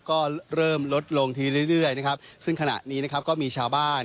ก็เริ่มลดลงทีเรื่อยซึ่งขณะนี้ก็มีชาวบ้าน